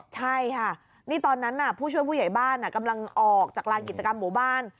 ใช่ค่ะนี่ตอนนั้นผู้ช่วยผู้ใหญ่บ้านกำลังออกจากลานกิจกรรมหมู่บ้าน